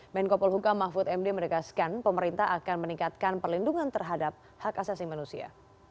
menko polhukam mahfud md menegaskan pemerintah akan meningkatkan perlindungan terhadap hak asasi manusia